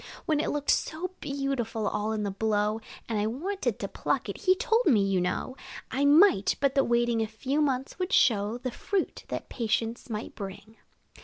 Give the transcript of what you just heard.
When it looked so beautiful, all in the blow, And I wanted to pluck it, he told me, you know, I might, but that waiting a few months would show The fruit, that patience might bring.